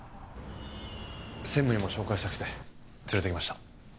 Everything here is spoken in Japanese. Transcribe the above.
専務にも紹介したくて連れてきました。